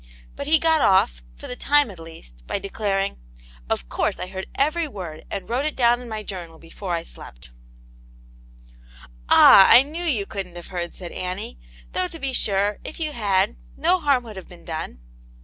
But he got off, for the time at least, by declaring —" Of course I heard every word, and wrote it down in my journal before I slept." "Ah^ I knew you couldn't have heard," said Annie, 'though to be sure, if you had, no Wicvcv ^qxjX^ Wn^ ^ Aunt Jane's Hero. 57 been done.